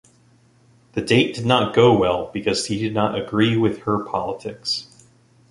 The date did not go well because he did not agree with her politics.